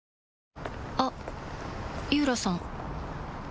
あっ井浦さん